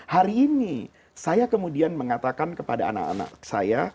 hari ini saya kemudian mengatakan kepada anak anak saya